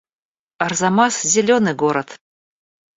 Арзамас — зелёный город